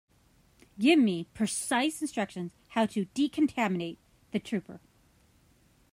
Give me precise instructions how to decontaminate the trooper.